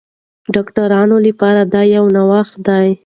ډاکټرانو لپاره دا یو نوښت دی.